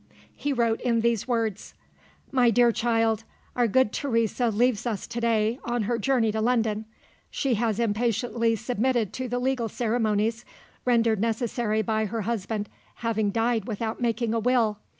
He wrote in these words: "My dear child, Our good Teresa leaves us to day, on her journey to London. She has impatiently submitted to the legal ceremonies, rendered necessary by her husband having died without making a will.